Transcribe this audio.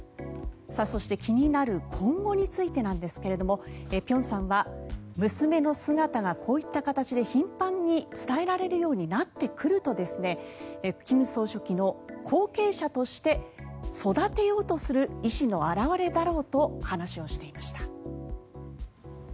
そして、気になる今後についてなんですが辺さんは娘の姿がこういった形で頻繁に伝えられるようになってくると金総書記の後継者として育てようとする意思の表れだろうと話をしていました。